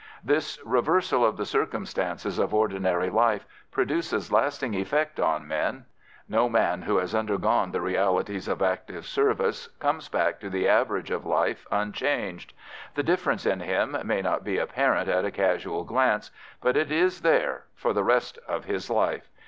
This reversal of the circumstances of ordinary life produces lasting effect on men; no man who has undergone the realities of active service comes back to the average of life unchanged. The difference in him may not be apparent at a casual glance, but it is there, for the rest of his life.